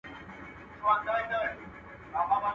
ياد مي ته که، موړ به مي خداى کي.